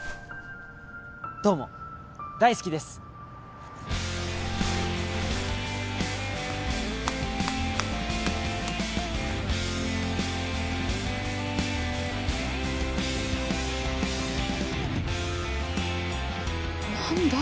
どうも大好きです何だ？